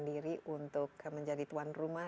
diri untuk menjadi tuan rumah